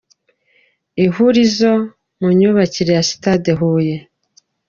Ihurizo mu myubakire ya stade Huye.